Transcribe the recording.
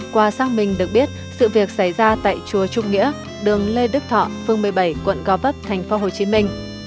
qua sang mình được biết sự việc xảy ra tại chùa trung nghĩa đường lê đức thọ phương một mươi bảy quận gò vấp thành phố hồ chí minh